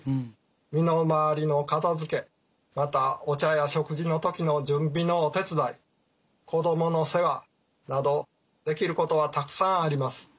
身の回りの片づけまたお茶や食事の時の準備のお手伝い子どもの世話などできることはたくさんあります。